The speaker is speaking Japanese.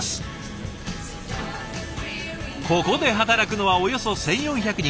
ここで働くのはおよそ１，４００人。